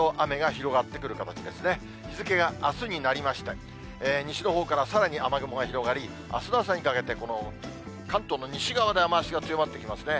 日付があすになりまして、西のほうからさらに雨雲が広がり、あすの朝にかけて、この関東の西側で雨足が強まってきますね。